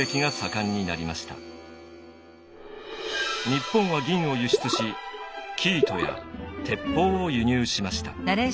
日本は銀を輸出し生糸や鉄砲を輸入しました。